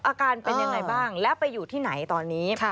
อาการเป็นยังไงบ้างแล้วไปอยู่ที่ไหนตอนนี้